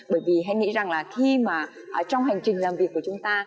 bởi vì hãy nghĩ rằng là khi mà trong hành trình làm việc của chúng ta